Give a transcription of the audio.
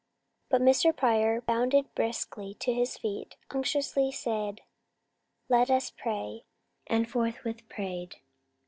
But Mr. Pryor bounded briskly to his feet, unctuously said, "Let us pray," and forthwith prayed.